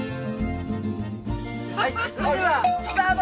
はいそれではスタート！